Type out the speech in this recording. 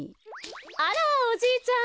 あらおじいちゃん。